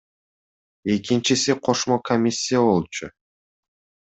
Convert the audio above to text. Экинчиси кошмо комиссия болчу.